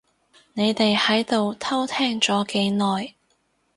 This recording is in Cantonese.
你哋喺度偷聽咗幾耐？